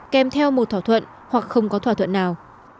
kèm theo một thỏa thuận hoặc không có thỏa thuận nào